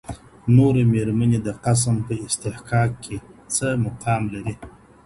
نورې ميرمنې د قسم په استحقاق کې څه مقام لري؟